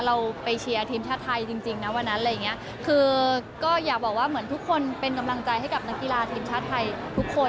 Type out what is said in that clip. เราไปเชียร์ทีมชาติไทยจริงจริงนะวันนั้นอะไรอย่างเงี้ยคือก็อยากบอกว่าเหมือนทุกคนเป็นกำลังใจให้กับนักกีฬาทีมชาติไทยทุกคน